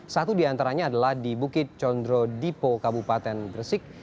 satu di antaranya adalah di bukit condro dipo kabupaten gresik